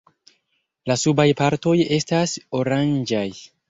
La subaj partoj estas oranĝaj.